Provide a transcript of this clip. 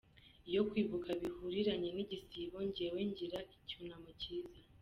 Iyo kwibuka bihuriranye n’igisibo, jyewe ngira icyunamo cyiza !.